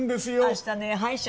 明日ね歯医者。